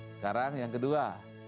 sekarang yang kedua